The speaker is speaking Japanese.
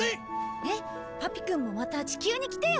ねっパピくんもまた地球に来てよ！